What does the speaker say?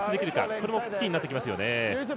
これもキーになってきますよね。